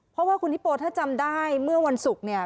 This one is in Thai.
เพราะว่าคุณฮิโปถ้าจำได้เมื่อวันศุกร์เนี่ย